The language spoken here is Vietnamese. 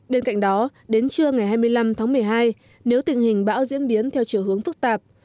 bên cạnh đó đến trưa ngày hai mươi năm tháng một mươi hai nếu tình hình bão diễn biến theo chiều hướng phức tạp